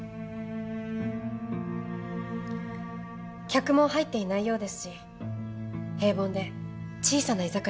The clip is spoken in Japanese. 客も入っていないようですし平凡で小さな居酒屋です。